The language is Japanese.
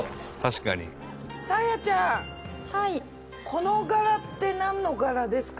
この柄ってなんの柄ですか？